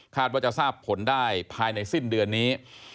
ว่าจะทราบผลได้ภายในสิ้นเดือนนี้